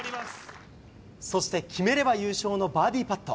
そして決めれば優勝のバーディーパット。